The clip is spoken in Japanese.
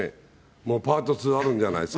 もうパート２あるんじゃないんですか。